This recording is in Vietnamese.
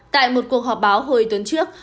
tại một cuộc họp báo hồi tuần trước